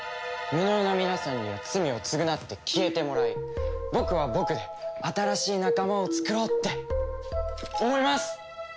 無能な皆さんには罪を償って消えてもらい僕は僕で新しい仲間を作ろうって思います！